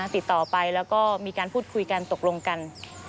ติดต่อไปแล้วก็มีการพูดคุยกันตกลงกัน